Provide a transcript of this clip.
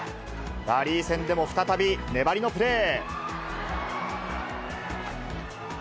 ラリー戦でも再び粘りのプレー。